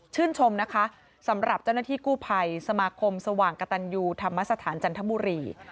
ชมนะคะสำหรับเจ้าหน้าที่กู้ภัยสมาคมสว่างกระตันยูธรรมสถานจันทบุรี